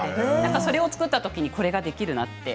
それを作ったときにこれができるなって。